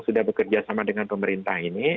sudah bekerja sama dengan pemerintah ini